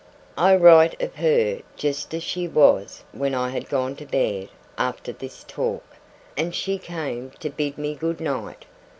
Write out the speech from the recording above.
I write of her just as she was when I had gone to bed after this talk, and she came to bid me good night.